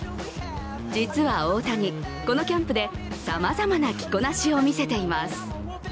実は大谷、このキャンプでさまざまな着こなしを見せています。